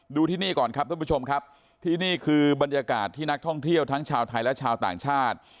ที่นี่ก่อนครับท่านผู้ชมครับที่นี่คือบรรยากาศที่นักท่องเที่ยวทั้งชาวไทยและชาวต่างชาติ